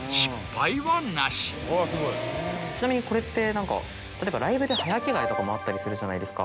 ちなみにこれって何か例えばライブで早着替えとかもあったりするじゃないですか。